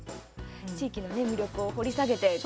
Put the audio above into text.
地域の魅力を掘り下げてくれて。